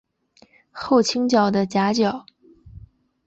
后倾角的夹角。